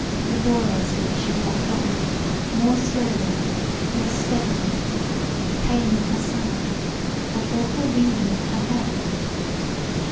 Labouriously she walked on more slowly, less steadily, a pain in her side, that awful reeling in her head.